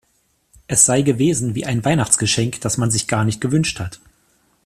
Es sei gewesen wie „ein Weihnachtsgeschenk, das man sich gar nicht gewünscht hat“.